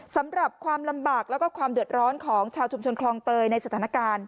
สำหรับความลำบากแล้วก็ความเดือดร้อนของชาวชุมชนคลองเตยในสถานการณ์